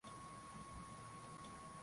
ama hawajui jinsi ya kujifunza Biblia wao